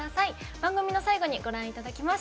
番組の最後にご覧いただきます。